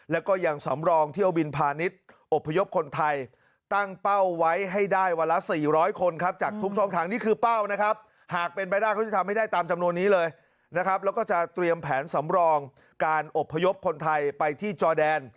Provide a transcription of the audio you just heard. หากเป็นไปได้เขาจะทำให้ได้ตามจำนวนนี้เลยนะครับแล้วก็จะเตรียมแผนสำรองการอบพยพคนไทยไปที่จอดแดน